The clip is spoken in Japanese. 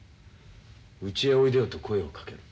うちへおいでよと声をかける。